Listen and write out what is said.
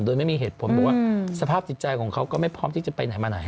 โดยไม่มีเหตุผลบอกว่าสภาพจิตใจของเขาก็ไม่พร้อมที่จะไปไหนมาไหน